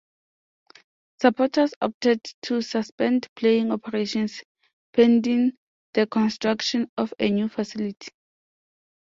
Supporters opted to suspend playing operations pending the construction of a new facility.